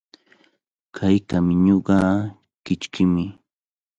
Kay kamiñuqa kichkimi.